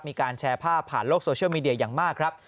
มีการแชร์ภาพผ่านโลกโซเชียลมีเดียอย่างมากครับ